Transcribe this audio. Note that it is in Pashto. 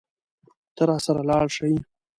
ته راسره لاړ شې.